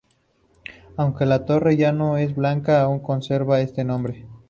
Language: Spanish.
Aunque la torre ya no es blanca aún conserva este nombre.